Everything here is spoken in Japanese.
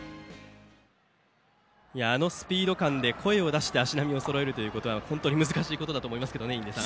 あのスピード感で声を出して足並みをそろえるということは難しいことだと思いますが。